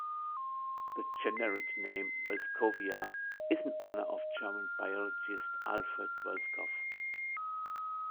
The generic name, "Voeltzkowia", is in honor of German biologist Alfred Voeltzkow.